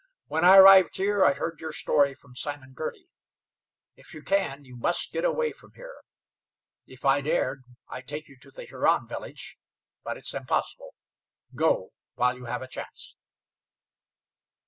When I arrived here I heard your story from Simon Girty. If you can, you must get away from here. If I dared I'd take you to the Huron village, but it's impossible. Go, while you have a chance."